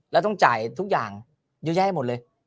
แล้วต้องจ่ายทุกอย่างเยอะแยะหมดเลย